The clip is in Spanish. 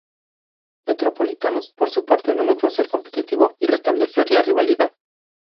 Metropolitanos, por su parte no logró ser competitivo y restablecer la rivalidad.